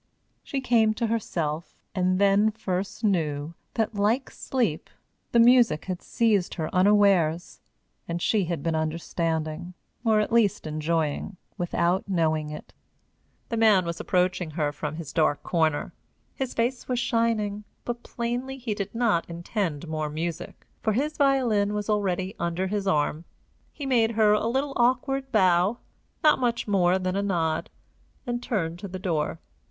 She came to herself, and then first knew that, like sleep, the music had seized her unawares, and she had been understanding, or at least enjoying, without knowing it. The man was approaching her from his dark corner. His face was shining, but plainly he did not intend more music, for his violin was already under his arm. He made her a little awkward bow not much more than a nod, and turned to the door.